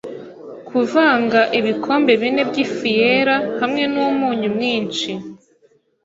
Kuvanga ibikombe bine by'ifu yera hamwe n'umunyu mwinshi